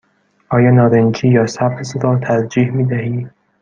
آیا نارنجی یا سبز را ترجیح می دهی؟